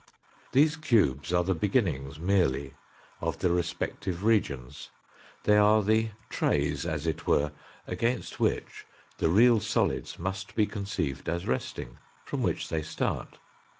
These cubes are the beginnings merely of the respective regions they are the trays, as it were, against which the real solids must be conceived as resting, from which they start.